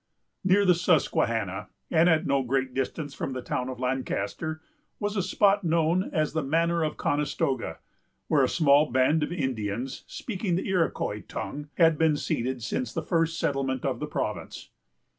Near the Susquehanna, and at no great distance from the town of Lancaster, was a spot known as the Manor of Conestoga; where a small band of Indians, speaking the Iroquois tongue, had been seated since the first settlement of the province.